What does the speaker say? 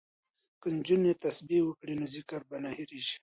که نجونې تسبیح وکړي نو ذکر به نه هیریږي.